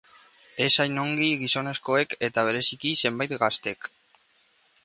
Ez hain ongi gizonezkoek eta bereziki zenbait gaztek.